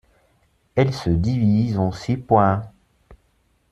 Elle se divise en six points.